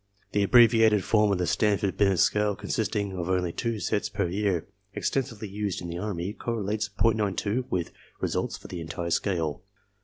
The abbreviated form of the Stanford Binet scale consisting of only two tests per year, extensively used in the army, correlates .92 with results for the entire scale.